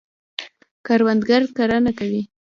کروندګر کرنه کوي.